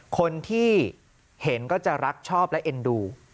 คนที่เห็นก็จะรักชอบและเอ็นดู